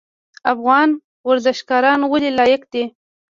افغان ورزشکاران ولې لایق دي؟